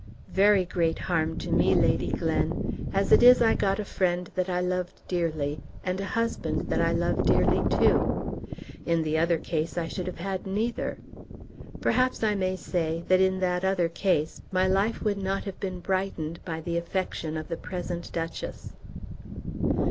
"Very great harm to me, Lady Glen. As it is I got a friend that I loved dearly, and a husband that I love dearly too. In the other case I should have had neither. Perhaps I may say, that in that other case my life would not have been brightened by the affection of the present Duchess."